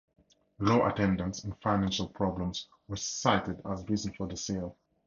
Low attendance and financial problems were cited as reasons for the sale.